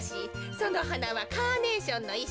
そのはなはカーネーションのいっ